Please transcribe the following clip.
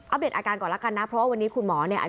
เดตอาการก่อนแล้วกันนะเพราะว่าวันนี้คุณหมอเนี่ย